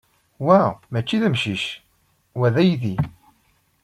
Wa maci d amcic. Wa d aydi.